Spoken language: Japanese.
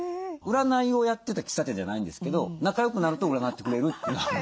占いをやってた喫茶店じゃないんですけど仲よくなると占ってくれるっていう。